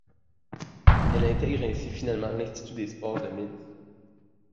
Elle intègre ainsi finalement l'institut des sports de Minsk.